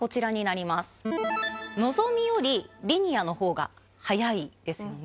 里召澆茲リニアの方が速いですよね。